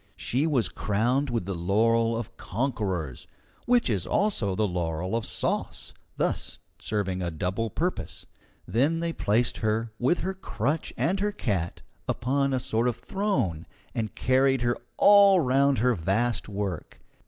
She was crowned with the laurel of conquerors, which is also the laurel of sauce, thus serving a double purpose. Then they placed her, with her crutch and her cat, upon a sort of throne, and carried her all round her vast work.